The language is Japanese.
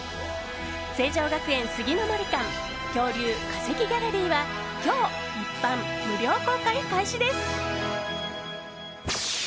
成城学園杉の森館恐竜・化石ギャラリーは今日、一般無料公開開始です。